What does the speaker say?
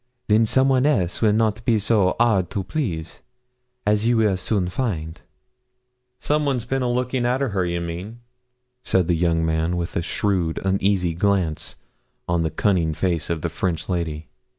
Then some one else will not be so 'ard to please as you will soon find.' 'Some one's bin a lookin' arter her, you mean?' said the young man, with a shrewd uneasy glance on the cunning face of the French lady.